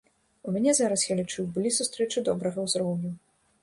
У мяне зараз, я лічу, былі сустрэчы добрага ўзроўню.